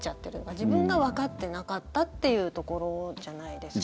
自分がわかってなかったっていうところじゃないですか？